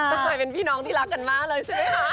ต้องกลับมาเป็นพี่น้องที่รักกันมากเลยใช่ไหมคะ